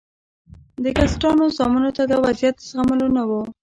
د کسټانو زامنو ته دا وضعیت د زغملو نه و.